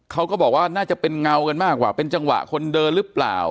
เขาก็บอกว่าน่าจะเป็นเงากันมากกว่าเป็นจังหวะคนเดินหรือเปล่า